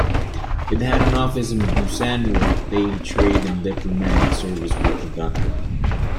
It had an office in Busan where daily trade and diplomatic service were conducted.